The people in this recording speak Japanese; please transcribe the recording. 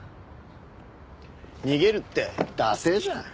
逃げるってダセエじゃん。